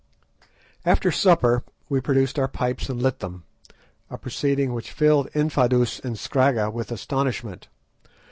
After supper we produced our pipes and lit them; a proceeding which filled Infadoos and Scragga with astonishment.